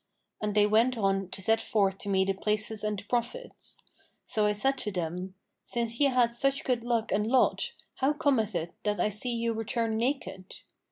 And they went on to set forth to me the places and the profits. So I said to them, 'Since ye had such good luck and lot, how cometh it that I see you return naked?'